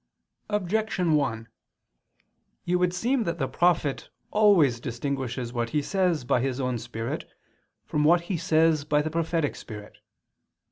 Objection 1: It would seem that the prophet always distinguishes what he says by his own spirit from what he says by the prophetic spirit.